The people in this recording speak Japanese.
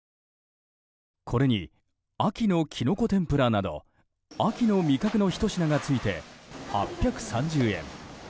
これに秋の茸天ぷらなど秋の味覚のひと品が付いて８３０円。